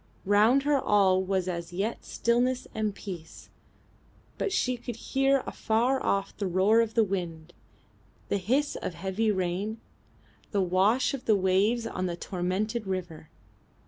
Round her all was as yet stillness and peace, but she could hear afar off the roar of the wind, the hiss of heavy rain, the wash of the waves on the tormented river.